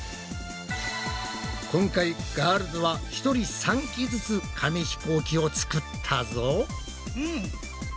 今回ガールズは１人３機ずつ紙ひこうきを作ったぞ。